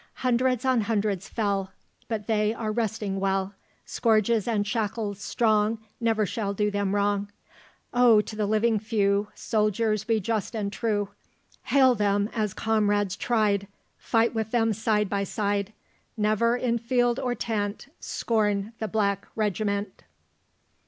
Hundreds on hundreds fell; But they are resting well; Scourges and shackles strong Never shall do them wrong. Oh, to the living few, Soldiers, be just and true; Hail them as comrades tried, Fight with them side by side; Never, in field or tent, Scorn the Black Regiment.